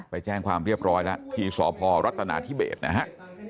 ไปแจ้งความเรียบร้อยแล้วที่สพรัฐนาธิเบสนะฮะ